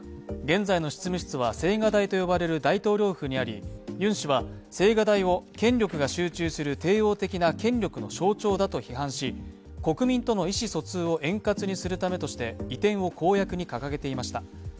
現在の執務室は青瓦台と呼ばれる大統領府にあり、ユン氏は青瓦台を権力が集中する帝王的な権力の象徴だと批判し、国民との意思疎通を円滑にするためとして、移転を公約に掲げていました。